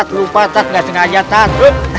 air pak lupa pak nggak sengaja pak